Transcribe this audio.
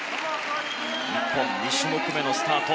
日本、２種目めのスタート。